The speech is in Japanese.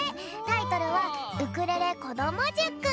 タイトルは「ウクレレこどもじゅく」。